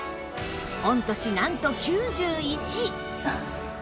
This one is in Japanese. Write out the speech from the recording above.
御年なんと９１